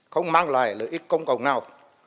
không mang lại lợi ích công cộng nào